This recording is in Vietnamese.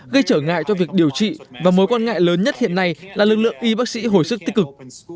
gây trở ngại cho việc điều trị và mối quan ngại lớn nhất hiện nay là lực lượng y bác sĩ hồi sức tích cực